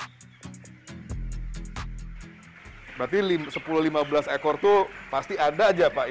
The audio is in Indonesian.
berarti sepuluh lima belas ekor itu pasti ada aja pak